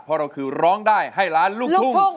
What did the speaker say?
เพราะเราคือร้องได้ให้ล้านลูกทุ่ง